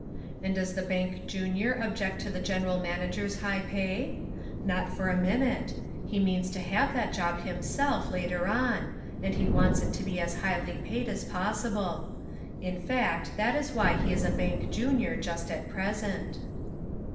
And does the bank junior object to the general manager's high pay? Not for a minute; he means to have that job himself later on and he wants it to be as highly paid as possible : in fact that is why he is a bank junior just at present.